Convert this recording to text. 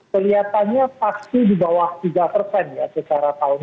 kelihatannya pasti di bawah tiga ya secara tahun enam